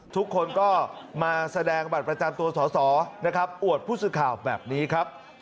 ทุกคนก็มาแสดงบัตรประจำตัวสอสอนะครับอวดผู้สื่อข่าวแบบนี้ครับ